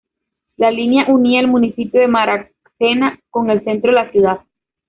La línea unía el municipio de Maracena con el centro de la ciudad.